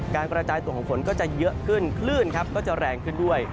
กระจายตัวของฝนก็จะเยอะขึ้นคลื่นครับก็จะแรงขึ้นด้วย